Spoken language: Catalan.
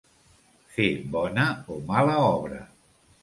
Fer bona o mala obra.